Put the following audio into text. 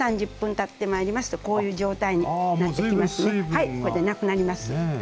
はいこれでなくなります。